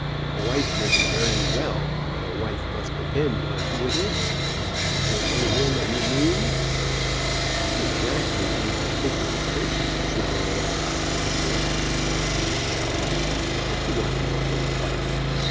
A wife may be very well, but a wife must depend on who it is. Is there any one that you mean?" "Not exactly any particular person," said the lawyer, lamely. "Pshaw! What do I want with a wife?